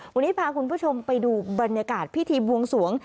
วันนี้พาคุณผู้ชมไปดูบรรยากาศพิธีบวงสวง